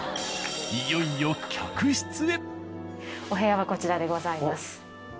お部屋はこちらでございます。